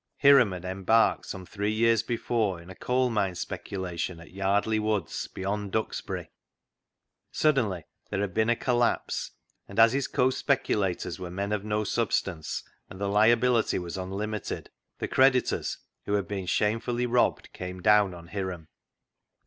Hiram had embarked some three years before in a coal mine speculation at Yardley Woods, be yond Duxbury. Suddenly there had been a collapse, and as his co speculators were men of no substance, and the liability was unlimited, the creditors, who had been shamefully robbed, came down on Hiram.